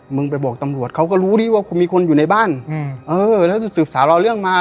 ไปบอกตำรวจเขาก็รู้ดีว่าคุณมีคนอยู่ในบ้านอืมเออแล้วสืบสาวรอเรื่องมา